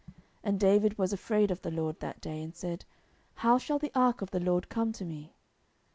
10:006:009 And David was afraid of the LORD that day, and said, How shall the ark of the LORD come to me?